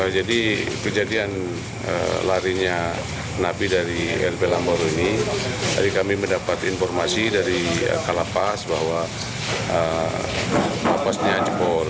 jadi kejadian larinya nabi dari lp lambaro ini kami mendapat informasi dari kalapas bahwa kalapasnya anjbol